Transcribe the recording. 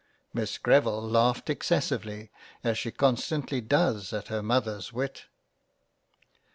Miss Greville laughed excessively, as she con stantly does at her Mother's wit.